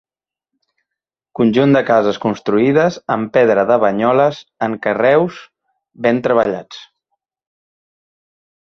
Conjunt de cases construïdes amb pedra de Banyoles en carreus ben treballats.